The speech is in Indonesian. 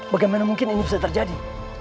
bagaimana mungkin ini bisa terjadi